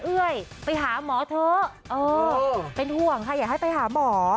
เอ้ยไปหาหมอเถอะเป็นห่วงค่ะอยากให้ไปหาหมอ